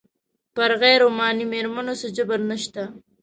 پر غیر عماني مېرمنو څه جبر نه شته.